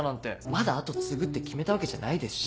まだ後継ぐって決めたわけじゃないですし。